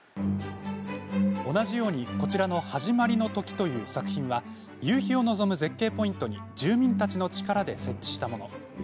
同じように、こちらの「はじまりの刻」という作品は夕日を望む絶景ポイントに住民たちの力で設置したもの。